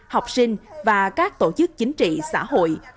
học sinh và các tổ chức chính trị xã hội